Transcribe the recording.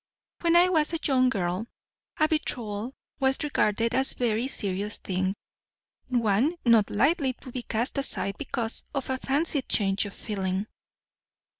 "When I was a young girl a betrothal was regarded as a very serious thing, one not lightly to be cast aside because of a fancied change of feeling."